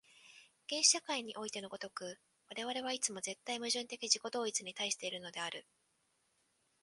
原始社会においての如く、我々はいつも絶対矛盾的自己同一に対しているのである。